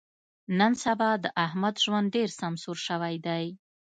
نن سبا د احمد ژوند ډېر سمسور شوی دی.